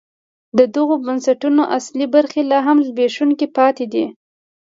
د دغو بنسټونو اصلي برخې لا هم زبېښونکي پاتې دي.